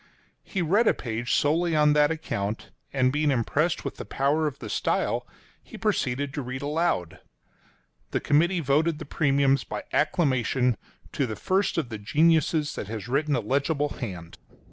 — He read a page solely on that account; and being impressed with the power of the style, he proceeded to read aloud. The committee voted the premiums by acclamation "to the first of the geniuses that has written a legible hand."